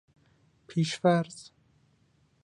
پیش فرض